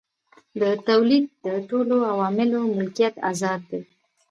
د تولید د ټولو عواملو ملکیت ازاد دی.